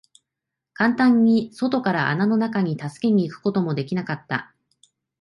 簡単に外から穴の中に助けに行くことも出来なかった。